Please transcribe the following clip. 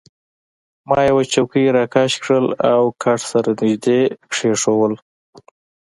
ما یوه چوکۍ راکش کړل او کټ سره يې نژدې کښېښوول.